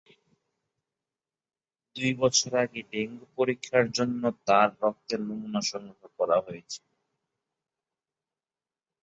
দুই বছর আগে ডেঙ্গু পরীক্ষার জন্য তাঁর রক্তের নমুনা সংগ্রহ করা হয়েছিল।